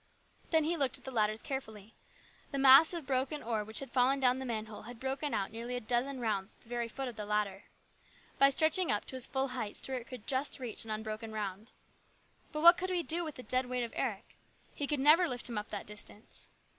Then he looked at the ladders carefully. The mass of broken ore which had fallen down the manhole had broken out a dozen rounds at the very foot of the ladder. By stretching up to his full height Stuart could just reach an unbroken round. But what could he do with the dead weight of Eric ? He could never lift him up that distance.